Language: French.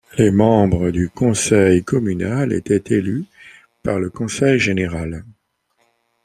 Les membres du Conseil communal étaient élus par le Conseil général.